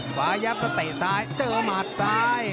ขวายับก็เตะซ้ายเจอหมัดซ้าย